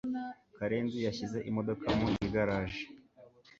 Karenzi yashyize imodoka mu igaraje.